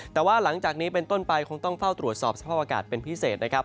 แต่ว่าหลังจากนี้เป็นต้นไปคงต้องเฝ้าตรวจสอบสภาพอากาศเป็นพิเศษนะครับ